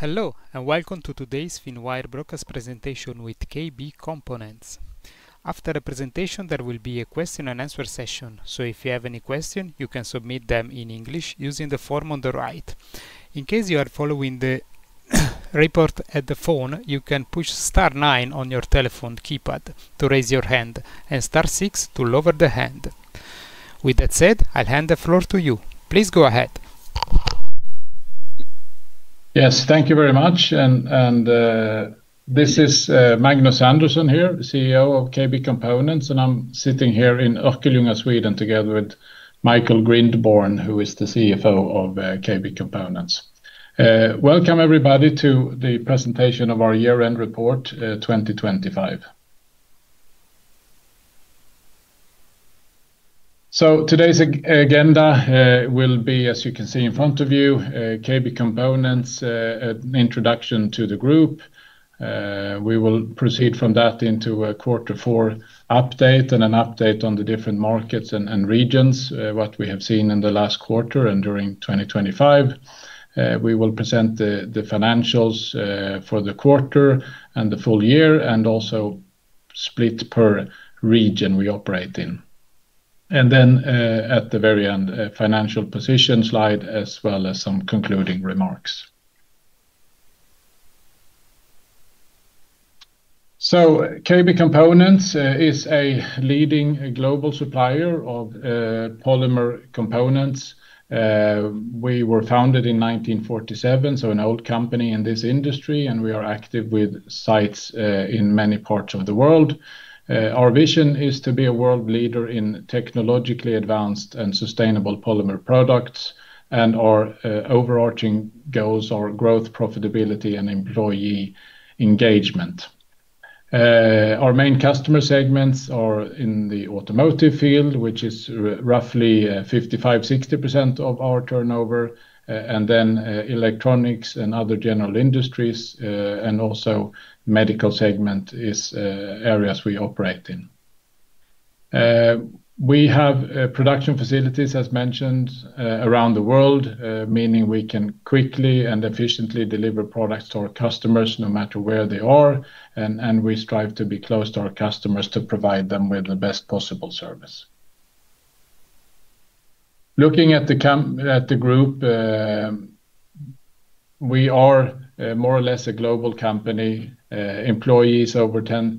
Hello, welcome to today's Finwire Broadcast presentation with KB Components. After the presentation, there will be a question and answer session, so if you have any question, you can submit them in English using the form on the right. In case you are following the report at the phone, you can push star 9 on your telephone keypad to raise your hand and star 6 to lower the hand. With that said, I'll hand the floor to you. Please go ahead. Yes, thank you very much. This is Magnus Andersson here, CEO of KB Components, and I'm sitting here in Örkelljunga, Sweden, together with Michael Grindborn, who is the CFO of KB Components. Welcome everybody to the presentation of our year-end report, 2025. Today's agenda will be, as you can see in front of you, KB Components, introduction to the group. We will proceed from that into a Quarter four update and an update on the different markets and regions, what we have seen in the last quarter and during 2025. We will present the financials for the quarter and the full year and also split per region we operate in. At the very end, a financial position slide as well as some concluding remarks. KB Components is a leading global supplier of polymer components. We were founded in 1947, so an old company in this industry, and we are active with sites in many parts of the world. Our vision is to be a world leader in technologically advanced and sustainable polymer products and our overarching goals are growth, profitability, and employee engagement. Our main customer segments are in the automotive field, which is roughly 55%-60% of our turnover, and then electronics and other general industries, and also medical segment is areas we operate in. We have production facilities, as mentioned, around the world, meaning we can quickly and efficiently deliver products to our customers no matter where they are, and we strive to be close to our customers to provide them with the best possible service. Looking at the group, we are more or less a global company. Employees over 2,000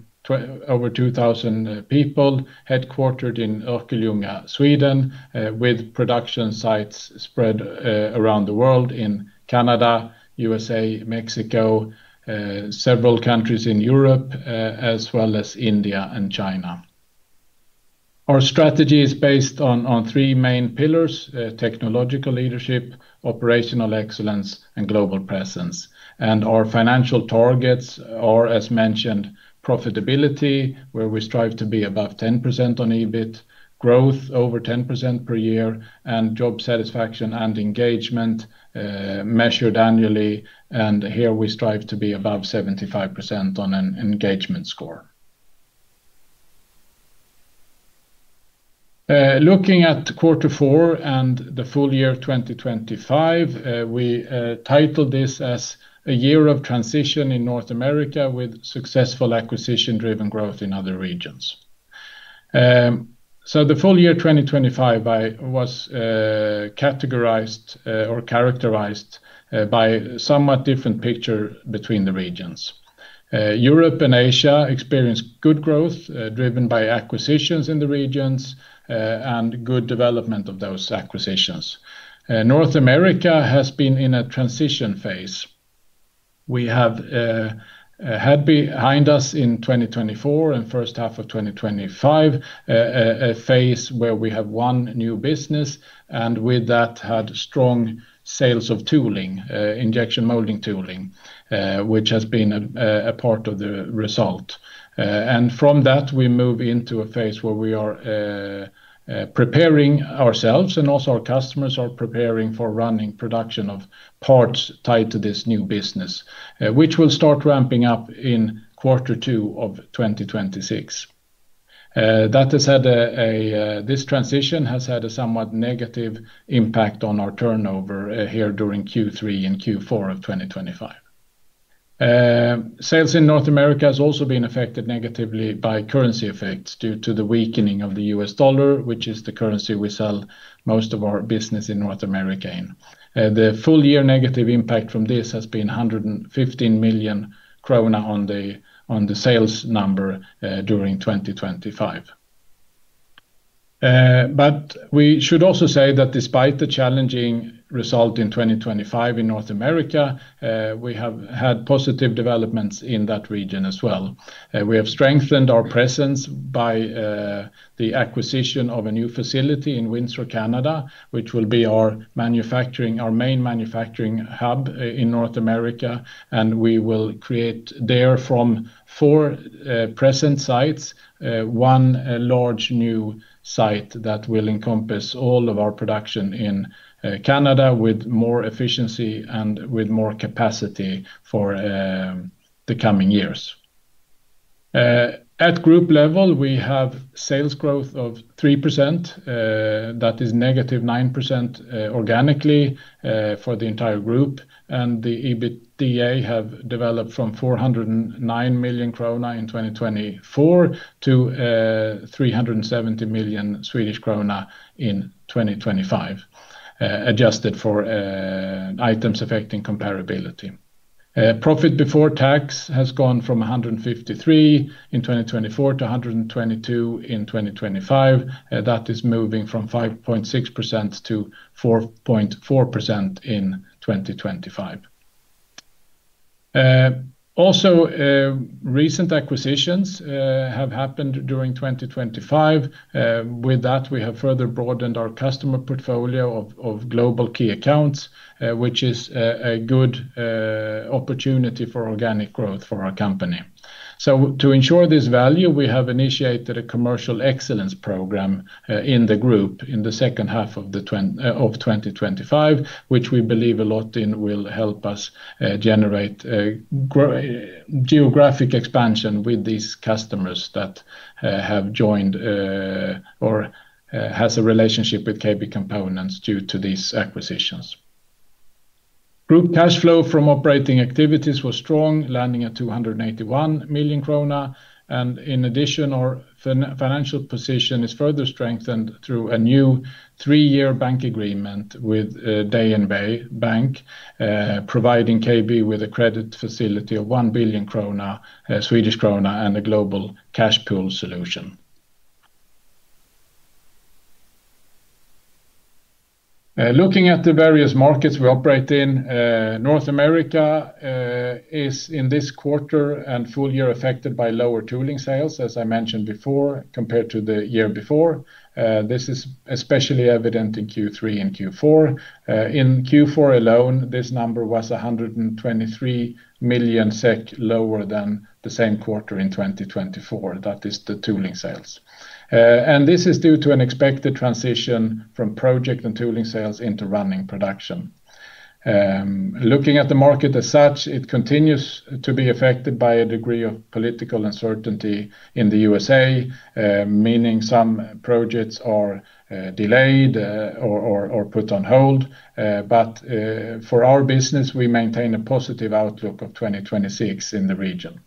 people, headquartered in Örkelljunga, Sweden, with production sites spread around the world in Canada, USA, Mexico, several countries in Europe, as well as India and China. Our strategy is based on three main pillars: technological leadership, operational excellence, and global presence. Our financial targets are, as mentioned, profitability, where we strive to be above 10% on EBIT, growth over 10% per year, and job satisfaction and engagement, measured annually, and here we strive to be above 75% on an engagement score. Looking at quarter four and the full year of 2025, we titled this as A Year of Transition in North America with Successful Acquisition-Driven Growth in Other Regions. The full year 2025 was categorized or characterized by somewhat different picture between the regions. Europe and Asia experienced good growth, driven by acquisitions in the regions, and good development of those acquisitions. North America has been in a transition phase. We have had behind us in 2024 and first half of 2025 a phase where we have one new business and with that had strong sales of tooling, injection molding tooling, which has been a part of the result. From that, we move into a phase where we are preparing ourselves and also our customers are preparing for running production of parts tied to this new business, which will start ramping up in quarter 2 of 2026. This transition has had a somewhat negative impact on our turnover here during Q3 and Q4 of 2025. Sales in North America has also been affected negatively by currency effects due to the weakening of the US dollar, which is the currency we sell most of our business in North America in. The full year negative impact from this has been 115 million krona on the sales number during 2025. We should also say that despite the challenging result in 2025 in North America, we have had positive developments in that region as well. We have strengthened our presence by the acquisition of a new facility in Windsor, Canada, which will be our manufacturing, our main manufacturing hub in North America, and we will create there from 4 present sites, 1 large new site that will encompass all of our production in Canada with more efficiency and with more capacity for the coming years. At group level, we have sales growth of 3%, that is -9% organically for the entire group. The EBITDA have developed from 409 million krona in 2024 to 370 million Swedish krona in 2025, adjusted for items affecting comparability. Profit before tax has gone from 153 million in 2024 to 122 million in 2025. That is moving from 5.6% to 4.4% in 2025. Also, recent acquisitions have happened during 2025. With that, we have further broadened our customer portfolio of global key accounts, which is a good opportunity for organic growth for our company. To ensure this value, we have initiated a commercial excellence program in the group in the second half of 2025, which we believe a lot in will help us generate a geographic expansion with these customers that have joined or has a relationship with KB Components due to these acquisitions. Group cash flow from operating activities was strong, landing at 281 million krona. In addition, our financial position is further strengthened through a new three-year bank agreement with DNB Bank, providing KB with a credit facility of 1 billion krona and a global cash pool solution. Looking at the various markets we operate in, North America is in this quarter and full year affected by lower tooling sales, as I mentioned before, compared to the year before. This is especially evident in Q3 and Q4. In Q4 alone, this number was 123 million SEK lower than the same quarter in 2024. That is the tooling sales. This is due to an expected transition from project and tooling sales into running production. Looking at the market as such, it continues to be affected by a degree of political uncertainty in the USA, meaning some projects are delayed or put on hold. For our business, we maintain a positive outlook of 2026 in the region.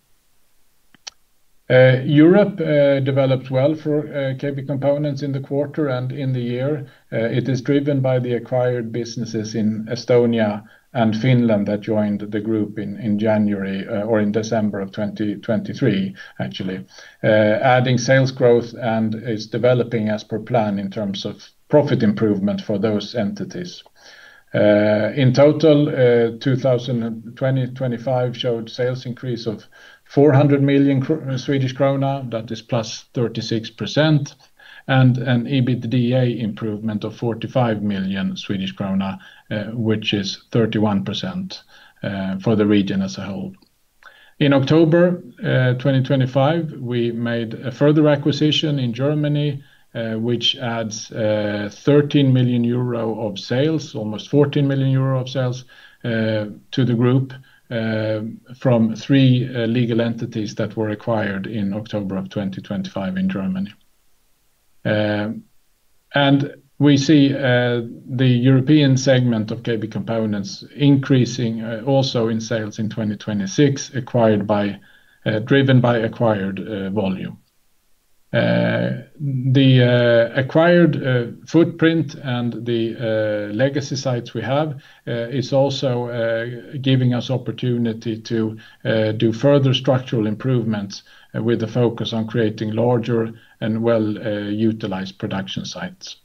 Europe developed well for KB Components in the quarter and in the year. It is driven by the acquired businesses in Estonia and Finland that joined the group in January or in December of 2023, actually. Adding sales growth and is developing as per plan in terms of profit improvement for those entities. In total, 2025 showed sales increase of 400 million Swedish krona, that is +36%, and an EBITDA improvement of 45 million Swedish krona, which is 31% for the region as a whole. In October, 2025, we made a further acquisition in Germany, which adds 13 million euro of sales, almost 14 million euro of sales, to the group from three legal entities that were acquired in October of 2025 in Germany. We see the European segment of KB Components increasing also in sales in 2026, driven by acquired volume. Uh, the, uh, acquired, uh, footprint and the, uh, legacy sites we have, uh, is also, uh, giving us opportunity to, uh, do further structural improvements with a focus on creating larger and well, uh, utilized production sites.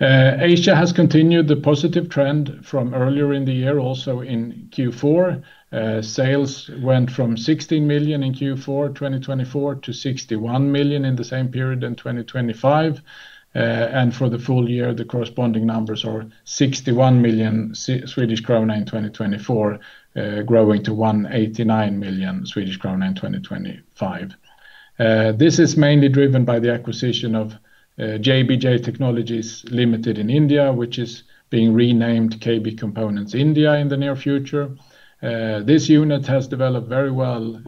Uh, Asia has continued the positive trend from earlier in the year, also in Q4. Uh, sales went from sixteen million in Q4, twenty twenty-four to sixty-one million in the same period in twenty twenty-five. Uh, and for the full year, the corresponding numbers are sixty-one million S- Swedish krona in twenty twenty-four, uh, growing to one eighty-nine million Swedish krona in twenty twenty-five. Uh, this is mainly driven by the acquisition of, uh, JBJ Technologies Limited in India, which is being renamed KB Components India in the near future. This unit has developed very well,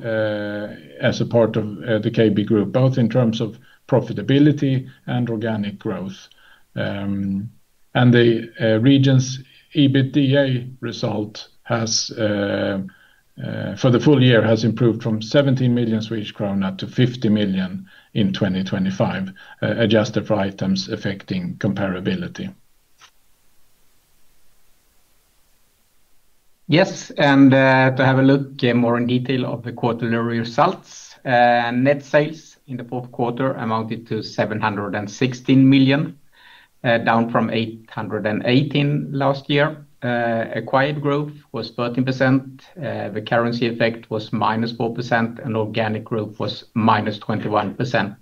as a part of the KB group, both in terms of profitability and organic growth. The region's EBITDA result has, for the full year, has improved from 17 million Swedish krona to 50 million in 2025, adjusted for items affecting comparability. Yes, to have a look in more in detail of the quarterly results. Net sales in the fourth quarter amounted to 716 million, down from 818 million last year. Acquired growth was 13%. The currency effect was -4%, organic growth was -21%.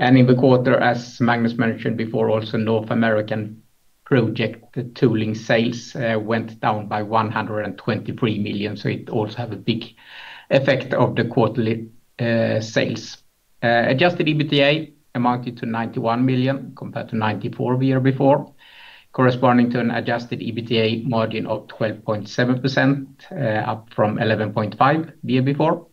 In the quarter, as Magnus mentioned before, also North American project tooling sales, went down by 123 million. It also have a big effect of the quarterly sales. Adjusted EBITDA amounted to 91 million compared to 94 million the year before, corresponding to an adjusted EBITDA margin of 12.7%, up from 11.5% the year before.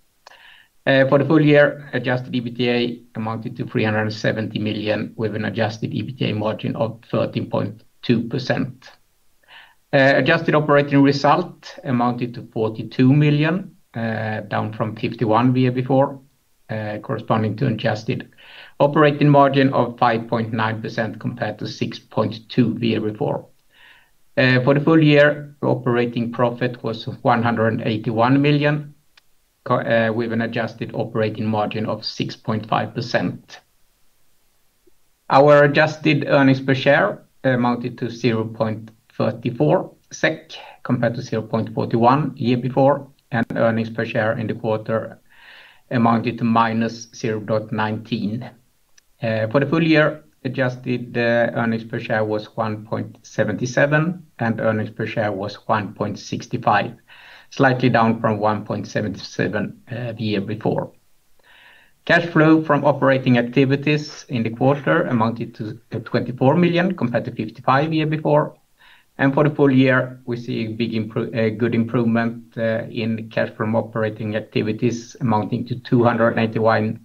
For the full year, adjusted EBITDA amounted to 370 million, with an adjusted EBITDA margin of 13.2%. Adjusted operating result amounted to 42 million, down from 51 million the year before, corresponding to adjusted operating margin of 5.9% compared to 6.2% the year before. For the full year, operating profit was 181 million with an adjusted operating margin of 6.5%. Our adjusted earnings per share amounted to 0.34 SEK compared to 0.41 the year before, and earnings per share in the quarter amounted to minus 0.19. For the full year, adjusted earnings per share was 1.77, and earnings per share was 1.65, slightly down from 1.77 the year before. Cash flow from operating activities in the quarter amounted to 24 million compared to 55 million the year before. For the full year, we see a good improvement in cash from operating activities amounting to 291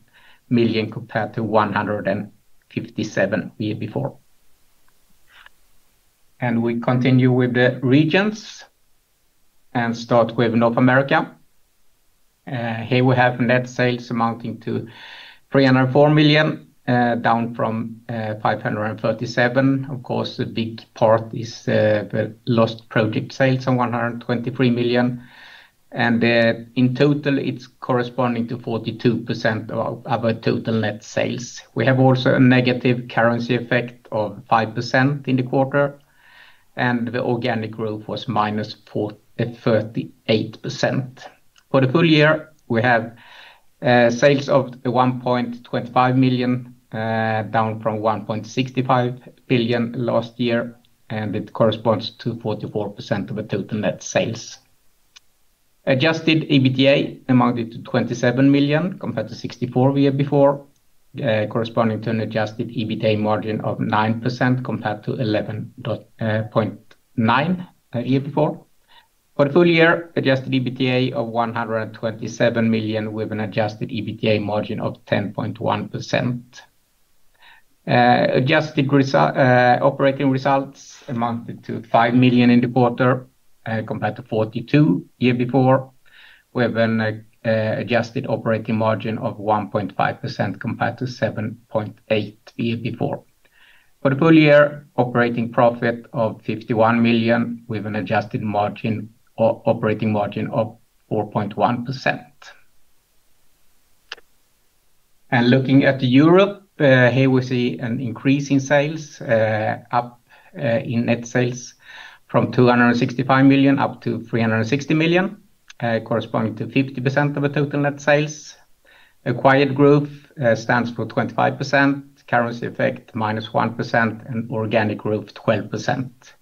million compared to 157 the year before. We continue with the regions and start with North America. Here we have net sales amounting to 304 million, down from 537. Of course, the big part is the lost project sales of 123 million. In total, it's corresponding to 42% of our total net sales. We have also a negative currency effect of 5% in the quarter, and the organic growth was minus 38%. For the full year, we have sales of 1.25 million, down from 1.65 billion last year, and it corresponds to 44% of the total net sales. adjusted EBITDA amounted to 27 million compared to 64 million the year before, corresponding to an adjusted EBITDA margin of 9% compared to 11.9% the year before. For the full year, adjusted EBITDA of 127 million with an adjusted EBITDA margin of 10.1%. adjusted operating results amounted to 5 million in the quarter, compared to 42 million year before. We have an adjusted operating margin of 1.5% compared to 7.8% the year before. For the full year, operating profit of 51 million with an adjusted operating margin of 4.1%. Looking at Europe, here we see an increase in sales, up in net sales from 265 million up to 360 million, corresponding to 50% of the total net sales. Acquired growth stands for 25%, currency effect -1%, and organic growth 12%.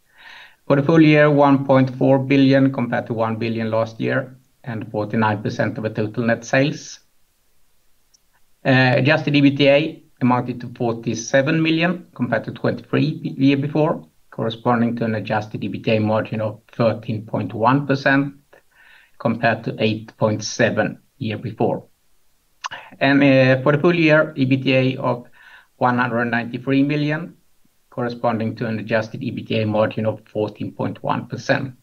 For the full year, 1.4 billion compared to 1 billion last year and 49% of the total net sales. Adjusted EBITDA amounted to 47 million compared to 23 million the year before, corresponding to an adjusted EBITDA margin of 13.1% compared to 8.7% the year before. For the full year, EBITDA of 193 million, corresponding to an adjusted EBITDA margin of 14.1%.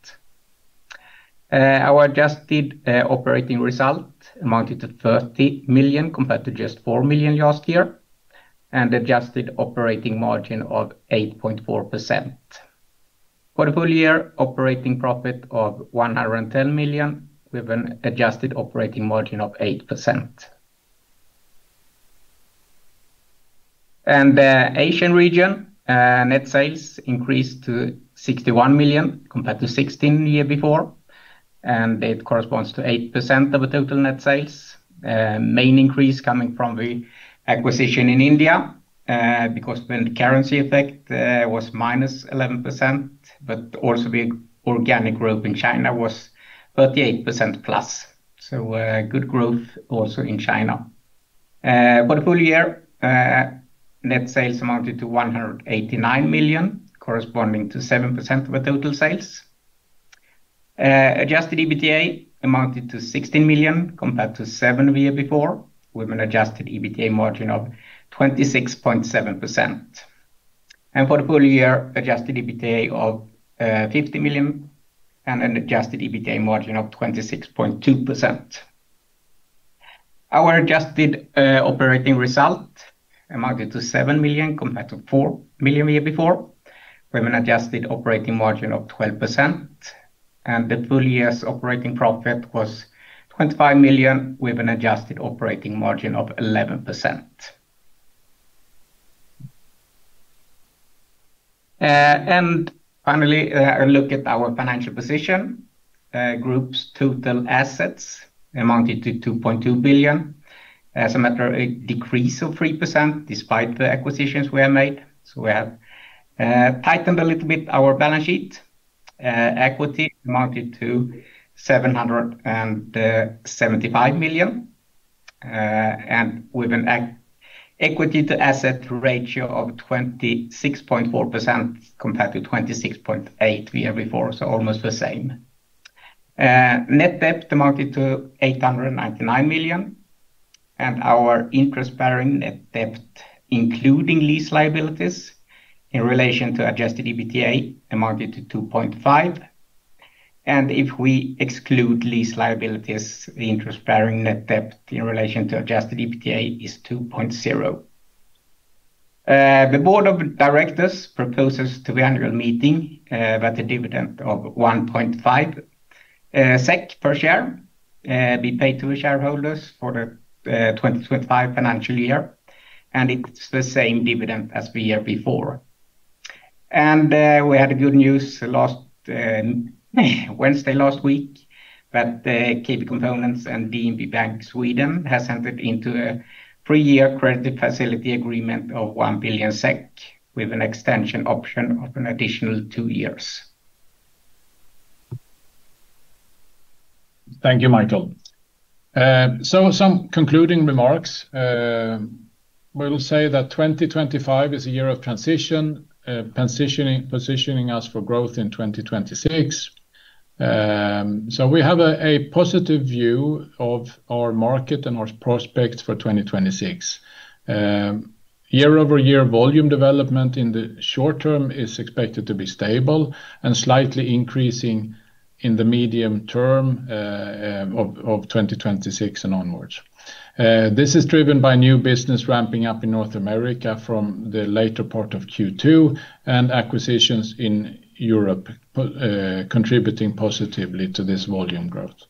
Our adjusted operating result amounted to 30 million compared to just 4 million last year. Adjusted operating margin of 8.4%. For the full year, operating profit of 110 million, with an adjusted operating margin of 8%. The Asian region, net sales increased to 61 million compared to 16 million the year before, and it corresponds to 8% of the total net sales. Main increase coming from the acquisition in India, because the currency effect was -11%, but also the organic growth in China was 38%+. Good growth also in China. For the full year, net sales amounted to 189 million, corresponding to 7% of the total sales. adjusted EBITDA amounted to 16 million compared to 7 million the year before, with an adjusted EBITDA margin of 26.7%. For the full year, adjusted EBITDA of 50 million and an adjusted EBITDA margin of 26.2%. Our adjusted operating result amounted to 7 million compared to 4 million the year before, with an adjusted operating margin of 12%. The full year's operating profit was 25 million, with an adjusted operating margin of 11%. Finally, a look at our financial position. Group's total assets amounted to 2.2 billion. As a matter of a decrease of 3% despite the acquisitions we have made. We have tightened a little bit our balance sheet. Equity amounted to 775 million. With an equity to asset ratio of 26.4% compared to 26.8% the year before, so almost the same. Net debt amounted to 899 million. Our interest-bearing net debt, including lease liabilities in relation to adjusted EBITDA, amounted to 2.5. If we exclude lease liabilities, the interest-bearing net debt in relation to adjusted EBITDA is 2.0. The board of directors proposes to the annual meeting that a dividend of 1.5 SEK per share be paid to the shareholders for the 2025 financial year. It's the same dividend as the year before. We had good news last Wednesday last week that KB Components and DNB Bank Sweden has entered into a 3-year credit facility agreement of 1 billion SEK with an extension option of an additional 2 years. Thank you, Michael. Some concluding remarks. We'll say that 2025 is a year of transition, positioning us for growth in 2026. We have a positive view of our market and our prospects for 2026. Year-over-year volume development in the short term is expected to be stable and slightly increasing in the medium term of 2026 and onwards. This is driven by new business ramping up in North America from the later part of Q2 and acquisitions in Europe contributing positively to this volume growth.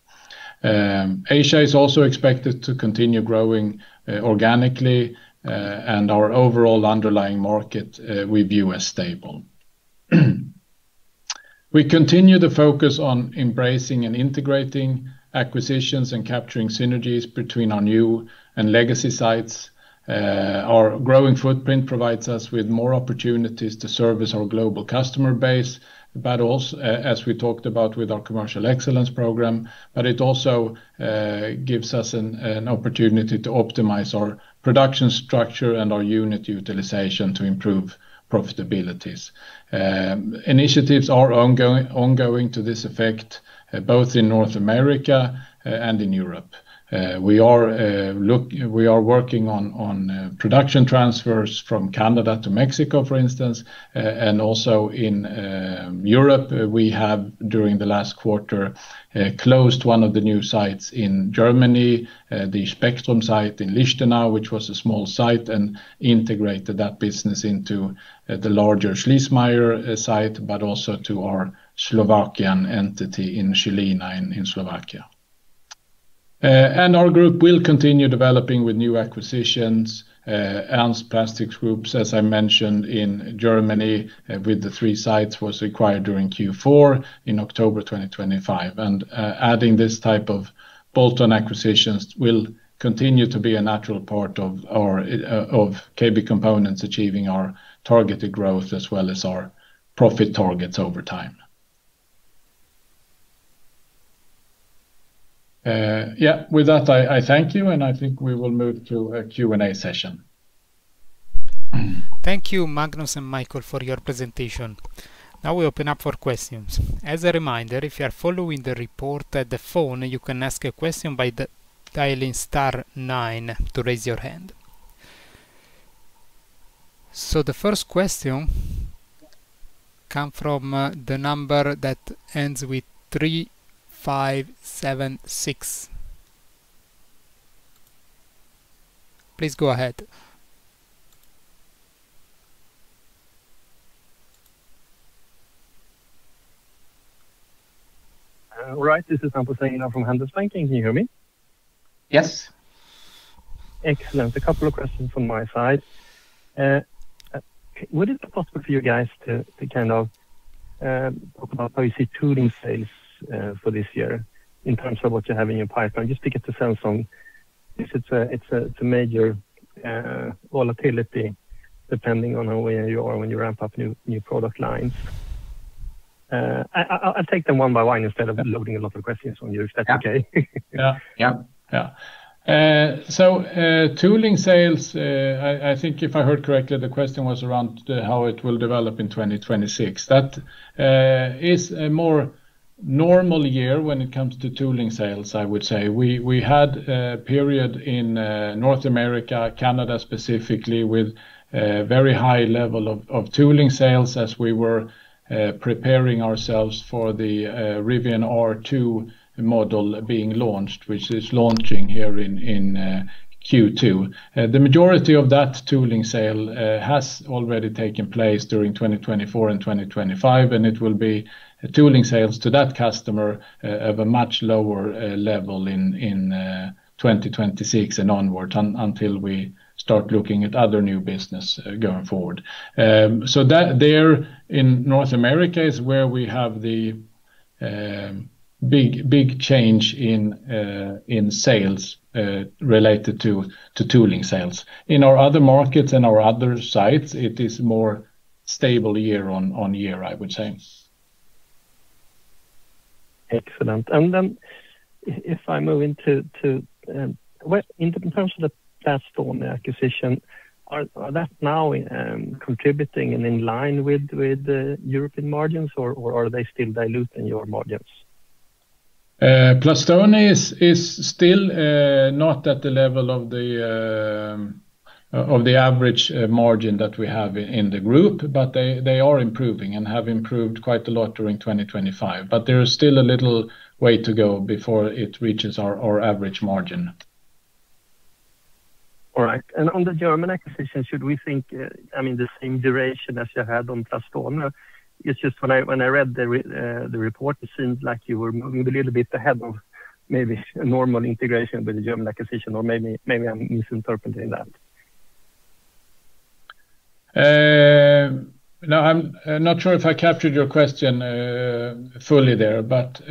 Asia is also expected to continue growing organically, and our overall underlying market we view as stable. We continue to focus on embracing and integrating acquisitions and capturing synergies between our new and legacy sites. Our growing footprint provides us with more opportunities to service our global customer base, but as we talked about with our commercial excellence program. It also gives us an opportunity to optimize our production structure and our unit utilization to improve profitabilities. Initiatives are ongoing to this effect, both in North America and in Europe. We are working on production transfers from Canada to Mexico, for instance. Also in Europe, we have, during the last quarter, closed one of the new sites in Germany, the Spectrum site in Lichtenau, which was a small site, and integrated that business into the larger Schliessmeyer site, but also to our Slovakian entity in Žilina in Slovakia. Our group will continue developing with new acquisitions. Ernst Plastics Group, as I mentioned, in Germany, with the three sites, was acquired during Q4 in October 2025. Adding this type of bolt-on acquisitions will continue to be a natural part of our of KB Components achieving our targeted growth as well as our profit targets over time. Yeah, with that, I thank you, and I think we will move to a Q&A session. Thank you, Magnus and Michael, for your presentation. We open up for questions. As a reminder, if you are following the report at the phone, you can ask a question by the dialing star nine to raise your hand. The first question come from the number that ends with 3, 5, 7, 6. Please go ahead. All right. This is Ampersand from Handelsbanken. Can you hear me? Yes. Excellent. A couple of questions from my side. Would it be possible for you guys to kind of talk about how you see tooling sales for this year in terms of what you have in your pipeline? Just to get a sense on if it's a major volatility depending on where you are when you ramp up new product lines. I'll take them one by one instead of loading a lot of questions on you, if that's okay. Yeah. Yeah. I think if I heard correctly, the question was around how it will develop in 2026. That is a more normal year when it comes to tooling sales, I would say. We had a period in North America, Canada specifically, with a very high level of tooling sales as we were preparing ourselves for the Rivian R2 model being launched, which is launching here in Q2. The majority of that tooling sale has already taken place during 2024 and 2025, it will be tooling sales to that customer of a much lower level in 2026 and onwards until we start looking at other new business going forward. That there in North America is where we have the big change in sales related to tooling sales. In our other markets and our other sites, it is more stable year on year, I would say. Excellent. If I move into, well, in terms of the Plastone acquisition, are that now contributing and in line with the European margins or are they still diluting your margins? Plastone is still not at the level of the average margin that we have in the group, but they are improving and have improved quite a lot during 2025. There is still a little way to go before it reaches our average margin. All right. On the German acquisition, should we think, I mean, the same duration as you had on Plastone? It's just when I, when I read the report, it seems like you were moving a little bit ahead of maybe a normal integration with the German acquisition or maybe I'm misinterpreting that? No, I'm not sure if I captured your question fully there, but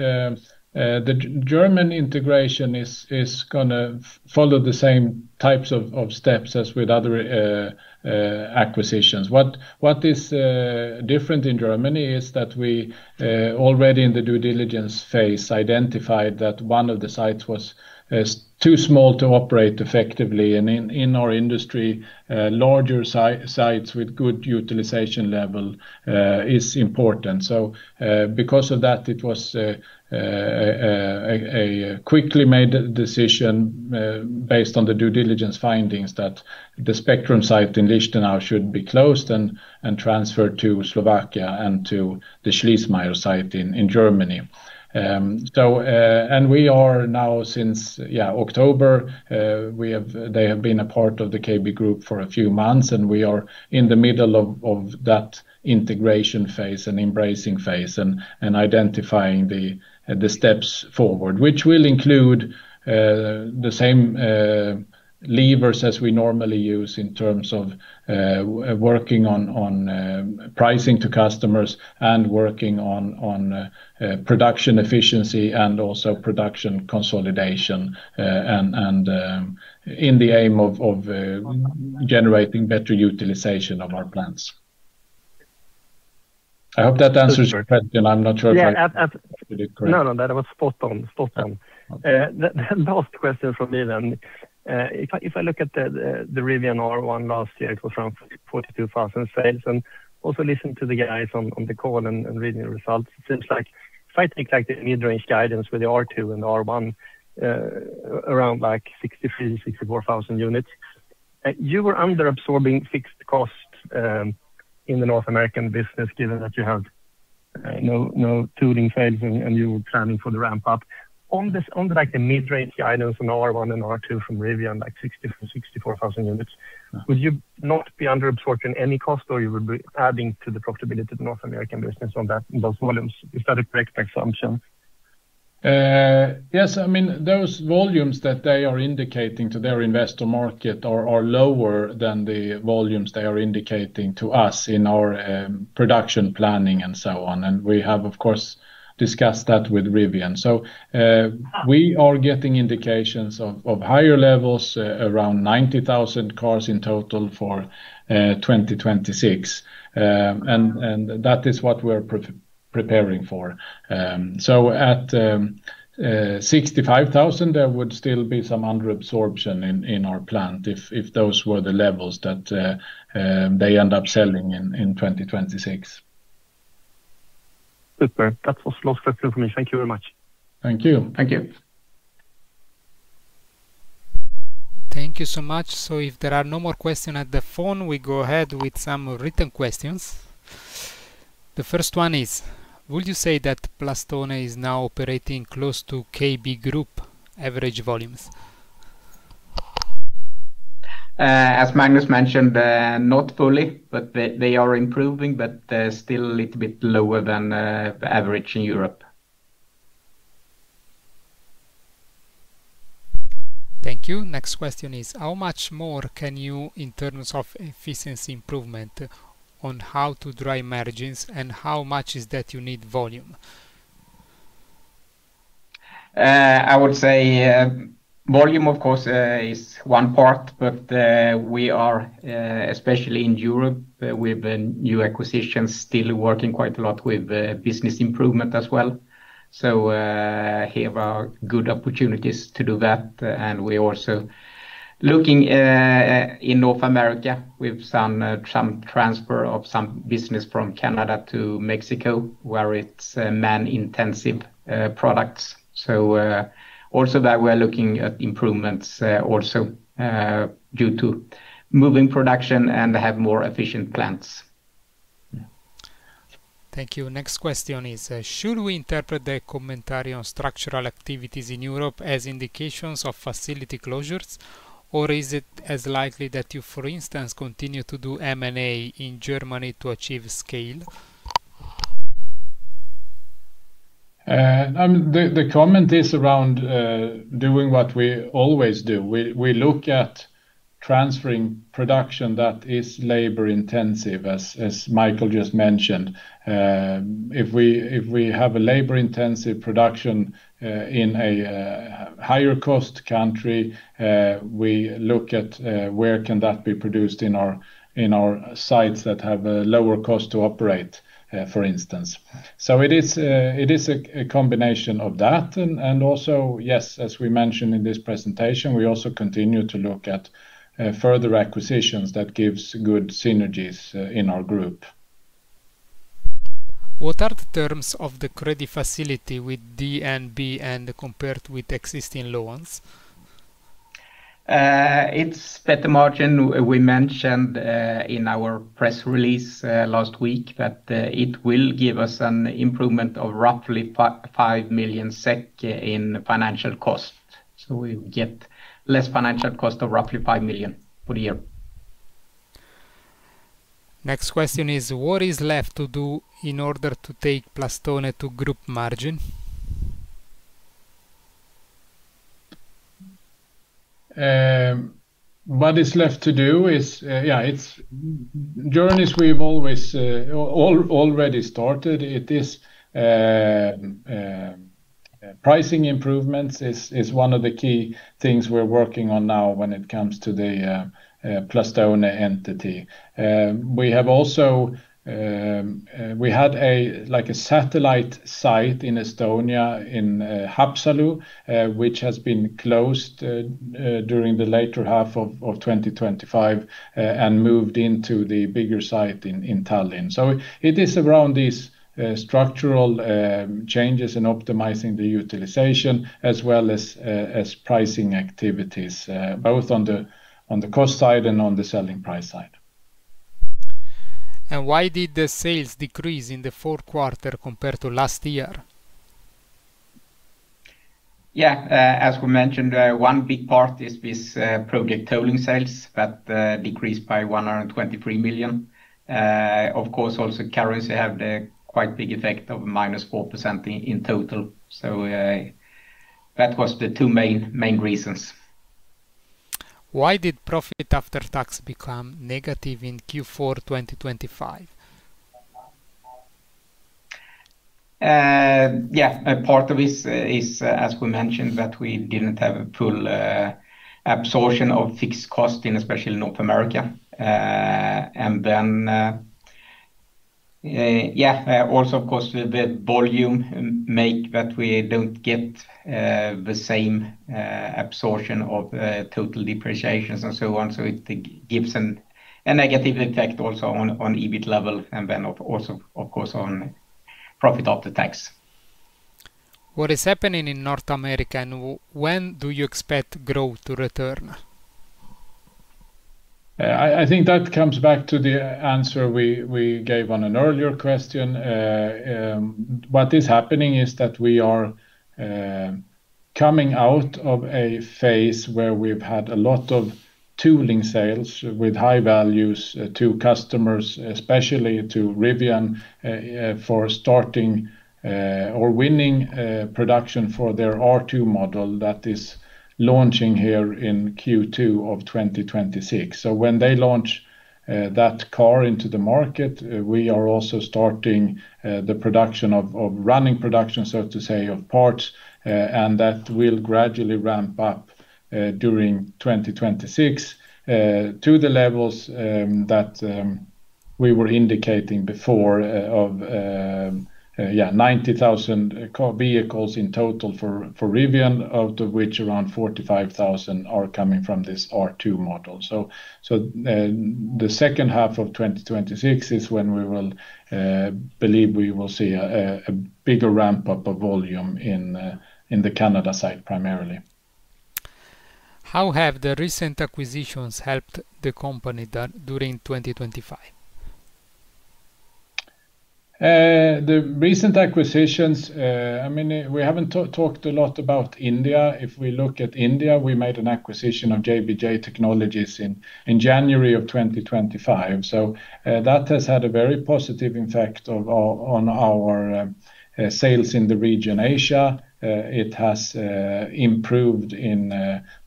the German integration is going to follow the same types of steps as with other acquisitions. What is different in Germany is that we already in the due diligence phase identified that one of the sites is too small to operate effectively. In our industry, larger sites with good utilization level is important. Because of that, it was a quickly made decision based on the due diligence findings that the Spectrum site in Lichtenau should be closed and transferred to Slovakia and to the Schliessmeyer site in Germany. We are now since October, they have been a part of the KB Group for a few months, and we are in the middle of that integration phase and embracing phase and identifying the steps forward, which will include the same levers as we normally use in terms of working on pricing to customers and working on production efficiency and also production consolidation, and in the aim of generating better utilization of our plants. I hope that answers your question. I'm not sure if. Yeah. Actually correct. No, no. That was spot on. Spot on. Okay. The last question from me then. If I look at the Rivian R1 last year, it was around 42,000 sales. Also listen to the guys on the call and reading the results, it seems like if I take like the midrange guidance with the R2 and the R1, around like 63,000-64,000 units, you were under-absorbing fixed costs in the North American business, given that you have no tooling sales and you were planning for the ramp up. On this, on like the midrange guidance on R1 and R2 from Rivian, like 60,000-64,000 units. Uh. Would you not be under-absorbing any cost or you would be adding to the profitability of the North American business on that, those volumes? Is that a correct assumption? Yes. I mean, those volumes that they are indicating to their investor market are lower than the volumes they are indicating to us in our production planning and so on. We have, of course, discussed that with Rivian. We are getting indications of higher levels around 90,000 cars in total for 2026. That is what we're pre-preparing for. At 65,000, there would still be some under-absorption in our plant if those were the levels that they end up selling in 2026. Super. That was the last question for me. Thank you very much. Thank you. Thank you. Thank you so much. If there are no more questions at the phone, we go ahead with some written questions. The first one is, would you say that Plastone is now operating close to KB Group average volumes? As Magnus mentioned, not fully, but they are improving, but they're still a little bit lower than the average in Europe. Thank you. Next question is, how much more can you, in terms of efficiency improvement on how to drive margins, and how much is that you need volume? Volume of course, is one part, but we are especially in Europe with the new acquisitions, still working quite a lot with business improvement as well. Have good opportunities to do that. We are also looking in North America with some transfer of some business from Canada to Mexico, where it's man intensive products. Also that we are looking at improvements also due to moving production and have more efficient plants. Thank you. Next question is, should we interpret the commentary on structural activities in Europe as indications of facility closures, or is it as likely that you, for instance, continue to do M&A in Germany to achieve scale? I mean, the comment is around doing what we always do. We look at transferring production that is labor intensive, as Michael just mentioned. If we have a labor intensive production in a higher cost country, we look at where can that be produced in our sites that have a lower cost to operate, for instance. It is a combination of that. Also, yes, as we mentioned in this presentation, we also continue to look at further acquisitions that gives good synergies in our group. What are the terms of the credit facility with DNB and compared with existing loans? It's better margin. We mentioned in our press release last week that it will give us an improvement of roughly 5 million SEK in financial cost. We get less financial cost of roughly 5 million SEK for the year. Next question is: What is left to do in order to take Plastone to group margin? What is left to do is, yeah, it's journeys we've always already started. It is pricing improvements is one of the key things we're working on now when it comes to the Plastone entity. We have also, we had a, like, a satellite site in Estonia in Haapsalu, which has been closed during the later half of 2025, and moved into the bigger site in Tallinn. It is around these structural changes in optimizing the utilization as well as pricing activities, both on the cost side and on the selling price side. Why did the sales decrease in the fourth quarter compared to last year? As we mentioned, one big part is this project tooling sales that decreased by 123 million. Of course, also currency have the quite big effect of -4% in total. That was the two main reasons. Why did profit after tax become negative in Q4 2025? Yeah, a part of this is, as we mentioned, that we didn't have a full absorption of fixed cost in especially North America. Also of course the volume make that we don't get the same absorption of total depreciations and so on. It gives a negative effect also on EBIT level and then also, of course, on profit after tax. What is happening in North America, and when do you expect growth to return? I think that comes back to the answer we gave on an earlier question. What is happening is that we are coming out of a phase where we've had a lot of tooling sales with high values to customers, especially to Rivian, for starting or winning production for their R2 model that is launching here in Q2 of 2026. When they launch that car into the market, we are also starting the production of running production, so to say, of parts. That will gradually ramp up during 2026 to the levels that we were indicating before, of 90,000 co-vehicles in total for Rivian, out of which around 45,000 are coming from this R2 model. The second half of 2026 is when we will, believe we will see a bigger ramp-up of volume in the Canada site primarily. How have the recent acquisitions helped the company during 2025? The recent acquisitions, I mean, we haven't talked a lot about India. If we look at India, we made an acquisition of JBJ Technologies in January of 2025. That has had a very positive impact of our, on our sales in the region Asia. It has improved in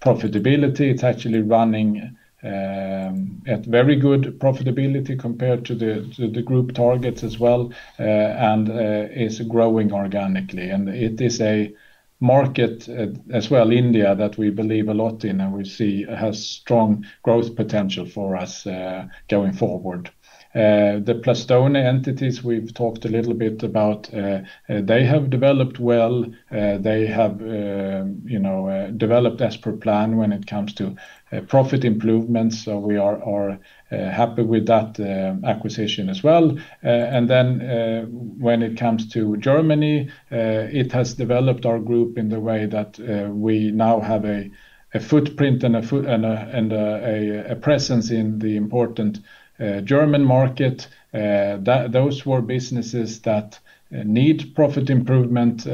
profitability. It's actually running at very good profitability compared to the group targets as well, and is growing organically. It is a market as well, India, that we believe a lot in and we see has strong growth potential for us going forward. The Plastone entities we've talked a little bit about, they have developed well. They have, you know, developed as per plan when it comes to profit improvements, so we are happy with that acquisition as well. Then, when it comes to Germany, it has developed our group in the way that we now have a footprint and a presence in the important German market. Those were businesses that need profit improvement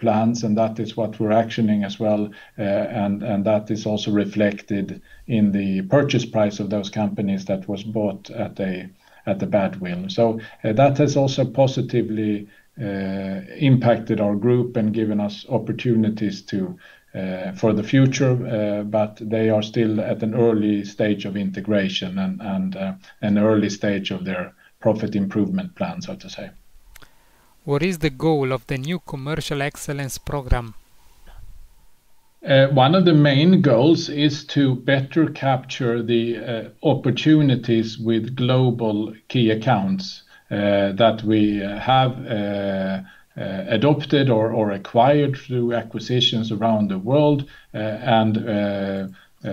plans, and that is what we're actioning as well. That is also reflected in the purchase price of those companies that was bought at a badwill. That has also positively impacted our group and given us opportunities for the future. They are still at an early stage of integration and an early stage of their profit improvement plan, so to say. What is the goal of the new commercial excellence program? One of the main goals is to better capture the opportunities with global key accounts that we have adopted or acquired through acquisitions around the world.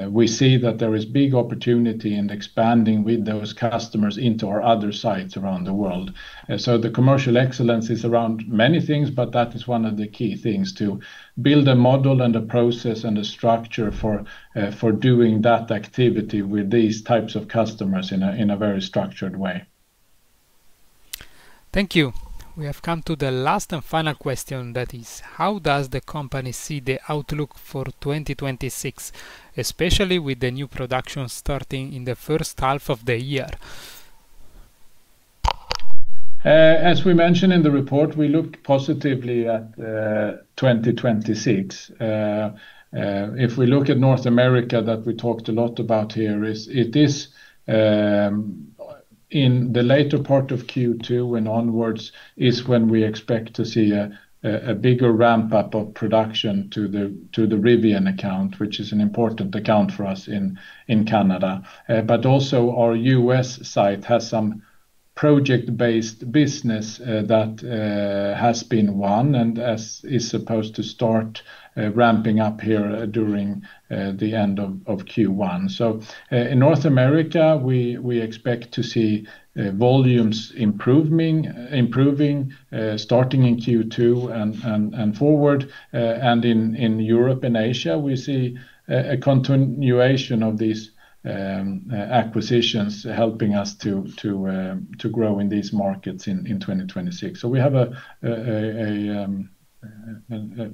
We see that there is big opportunity in expanding with those customers into our other sites around the world. The commercial excellence is around many things, but that is one of the key things to build a model and a process and a structure for doing that activity with these types of customers in a very structured way. Thank you. We have come to the last and final question, that is: How does the company see the outlook for 2026, especially with the new production starting in the first half of the year? As we mentioned in the report, we looked positively at 2026. If we look at North America that we talked a lot about here, it is in the later part of Q2 and onwards is when we expect to see a bigger ramp-up of production to the Rivian account, which is an important account for us in Canada. Also our U.S. site has some project-based business that has been won and is supposed to start ramping up here during the end of Q1. In North America, we expect to see volumes improving starting in Q2 and forward. In Europe and Asia, we see a continuation of these acquisitions helping us to grow in these markets in 2026. We have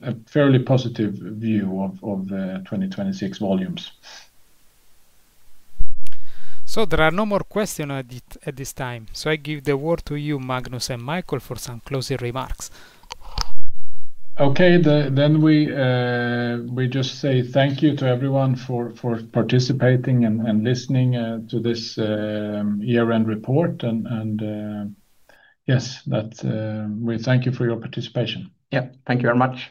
a fairly positive view of 2026 volumes. There are no more question at this time. I give the word to you, Magnus and Michael, for some closing remarks. Okay. We just say thank you to everyone for participating and listening to this year-end report. Yes, that we thank you for your participation. Yeah. Thank you very much.